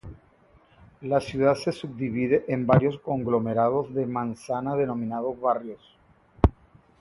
La ciudad se subdivide en varios conglomerados de manzanas, denominados barrios.